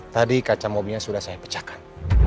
tadi kaca mobilnya sudah saya pecahkan